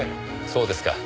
そうですか。